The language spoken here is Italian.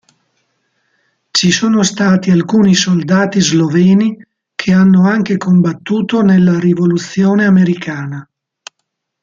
Ci sono stati alcuni soldati sloveni che hanno anche combattuto nella Rivoluzione americana.